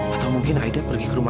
atau mungkin akhirnya pergi ke rumah